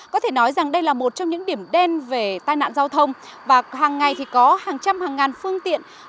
có thể nói rằng đây là một trong những điểm đen về tai nạn giao thông và hàng ngày thì có hàng trăm hàng ngàn phương tiện